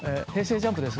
ＪＵＭＰです。